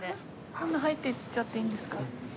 こんな入っていっちゃっていいんですか？